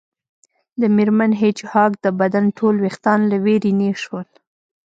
د میرمن هیج هاګ د بدن ټول ویښتان له ویرې نیغ شول